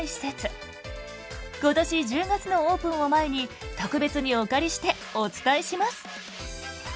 今年１０月のオープンを前に特別にお借りしてお伝えします！